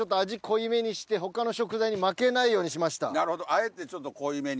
あえてちょっと濃いめに。